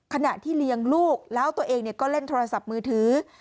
ขณะที่เลี้ยงลูกแล้วตัวเองก็เล่นโทรศัพท์มือถือ